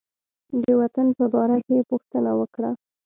د وطن په باره کې یې پوښتنه وکړه.